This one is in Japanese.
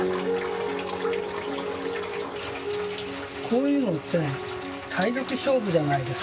こういうのって体力勝負じゃないですか。